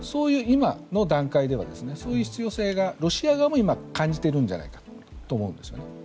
今の段階では、そういう必要性がロシア側も今感じているんじゃないかと思うんですね。